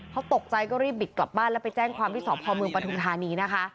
เขาตกใจก็รีบบิดกลับบ้านแล้วไปแจ้งความที่สพเมืองปฐุมธานีนะคะ